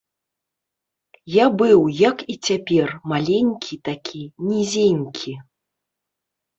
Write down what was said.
Я быў, як і цяпер, маленькі такі, нізенькі.